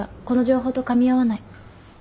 この情報とかみ合わない。